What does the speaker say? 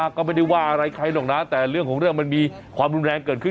ก็ไม่ได้ว่าอะไรใครหรอกนะแต่เรื่องของเรื่องมันมีความรุนแรงเกิดขึ้น